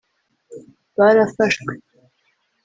barafashwe